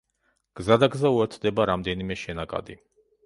გზადაგზა უერთდება რამდენიმე შენაკადი.